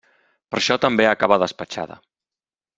Per això també acaba despatxada.